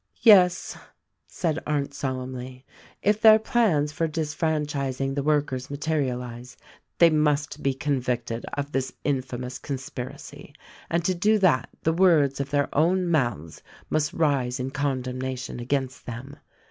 " "Yes," said Arndt solemnly, "if their plans for disfran chising the workers materialize, they must be convicted of this infamous conspiracy — and to do that the words of their own mouths must rise in condemnation against them.